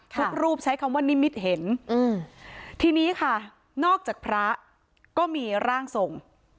รูปใช้คำว่านิมิตเห็นอืมทีนี้ค่ะนอกจากพระก็มีร่างทรง